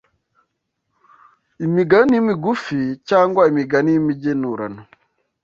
Imigani migufi cyangwa imigani y’imigenurano